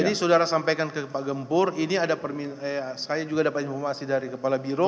jadi saudara sampaikan ke pak gempur ini ada permintaan saya juga dapat informasi dari kepala biro